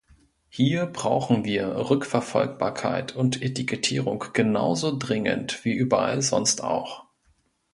Hier brauchen wir Rückverfolgbarkeit und Etikettierung genauso dringend wie überall sonst auch.